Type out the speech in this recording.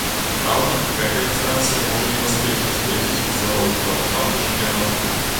Праўда, гэтая інстанцыя можа не паспець разгледзець іх зварот да пачатку чэмпіянату.